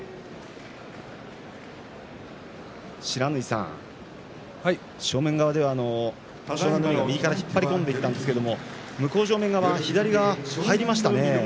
不知火さん、正面側では右から引っ張り込んでいったんですが向正面側では左が入りましたね。